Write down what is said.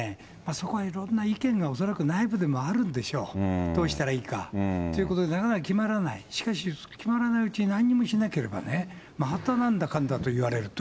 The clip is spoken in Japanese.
そこはいろんな意見が、恐らく内部でもあるでしょう、どうしたらいいか。ということで、なかなか決まらない、しかし決まらないうちになんにもしなければ、またなんだかんだと言われると。